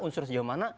unsur sejauh mana